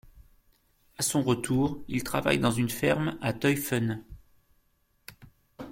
À son retour, il travaille dans une ferme à Teufen.